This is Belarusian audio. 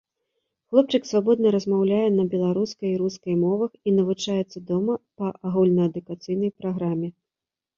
Хлопчык свабодна размаўляе на беларускай і рускай мовах і навучаецца дома па агульнаадукацыйнай праграме.